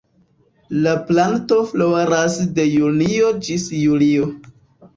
La planto floras de junio ĝis julio.